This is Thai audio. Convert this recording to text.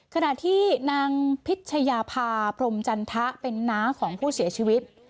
ขณะที่นางพิชยาภาพรมจันทะเป็นน้าของผู้เสียชีวิต